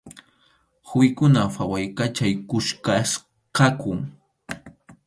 Quwikuna phawaykachaykuchkasqaku.